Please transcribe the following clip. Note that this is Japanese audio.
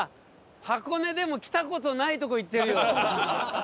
箱根でも来た事ないとこ行ってるよ。